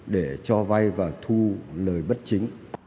để cho vay và thu lợi bất chính